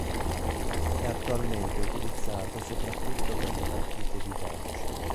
È attualmente utilizzato soprattutto per le partite di calcio.